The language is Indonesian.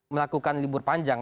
melakukan libur panjang